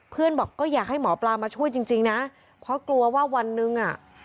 เพื่อนบอกก็อยากให้หมอปลามาช่วยจริงจริงนะเพราะกลัวว่าวันหนึ่งอ่ะ